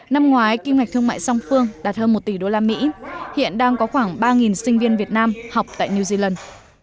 năm ngoái kinh ngạch thương mại song phương đạt hơn một tỷ đô la mỹ hiện đang có khoảng ba sinh viên việt nam học tại new zealand